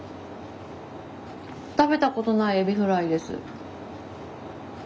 食べたことないエビフライです。